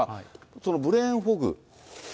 そのブレーンフォグ。